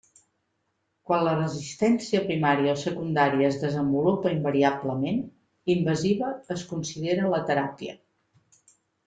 Quan la resistència primària o secundària es desenvolupa invariablement, invasiva es considera la teràpia.